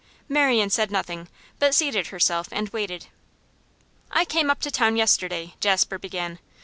Marian said nothing, but seated herself and waited. 'I came up to town yesterday,' Jasper began.